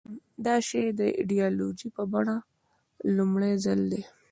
دا شی د ایدیالوژۍ په بڼه لومړي ځل ده.